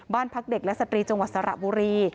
บ้านพักเด็กและสตรีจังหวัดสระบุรี